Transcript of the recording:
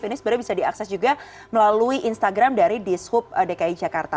ini sebenarnya bisa diakses juga melalui instagram dari dishub dki jakarta